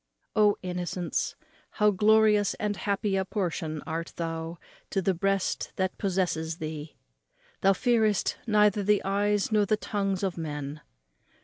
O innocence, how glorious and happy a portion art thou to the breast that possesses thee! thou fearest neither the eyes nor the tongues of men.